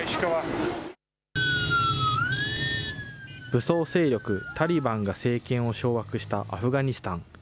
武装勢力タリバンが政権を掌握したアフガニスタン。